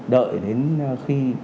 đợi đến khi